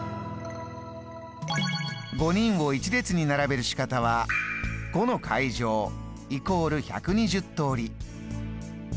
５人を一列に並べる仕方は５の階乗イコール１２０通り。